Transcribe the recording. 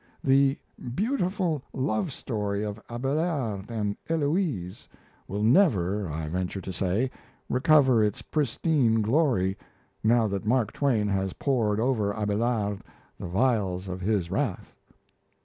The "beautiful love story of Abelard and Heloise" will never, I venture to say, recover its pristine glory now that Mark Twain has poured over Abelard the vials of his wrath.